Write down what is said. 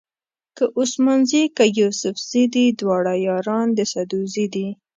که عثمان زي که یوسفزي دي دواړه یاران د سدوزي دي.